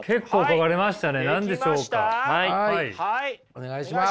お願いします。